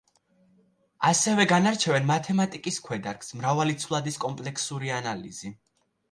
ასევე განარჩევენ მათემატიკის ქვედარგს მრავალი ცვლადის კომპლექსური ანალიზი.